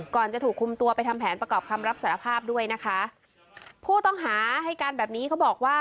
จะถูกคุมตัวไปทำแผนประกอบคำรับสารภาพด้วยนะคะผู้ต้องหาให้การแบบนี้เขาบอกว่า